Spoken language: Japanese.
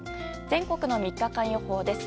全国の３日間予報です。